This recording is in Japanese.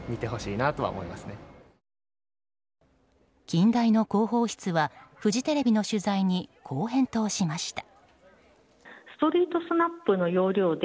近大の広報室はフジテレビの取材にこう返答しました。